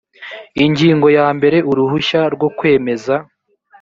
ingingo ya mbere uruhushya rwo kwemeza